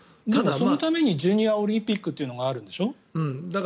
そのためにジュニアオリンピックというのがあるんでしょ。